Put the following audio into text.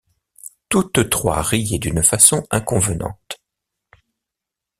Toutes trois riaient d’une façon inconvenante.